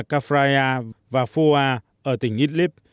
khafraia và foa ở tỉnh idlib